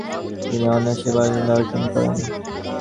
তিনি অনায়াসে পারদর্শিতা অর্জন করেন।